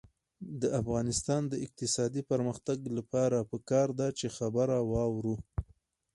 د افغانستان د اقتصادي پرمختګ لپاره پکار ده چې خبره واورو.